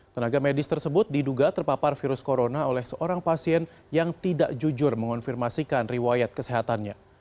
tenaga medis tersebut diduga terpapar virus corona oleh seorang pasien yang tidak jujur mengonfirmasikan riwayat kesehatannya